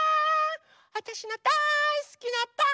わたしがだいすきなパン